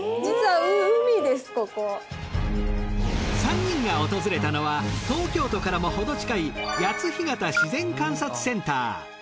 ３人が訪れたのは東京都からもほど近い谷津干潟自然観察センター。